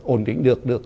ổn định được